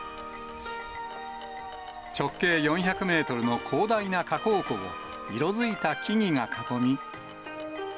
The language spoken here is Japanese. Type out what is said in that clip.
直径４００メートルの広大な火口湖を、色づいた木々が囲み。